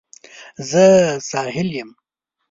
زه ساحل یم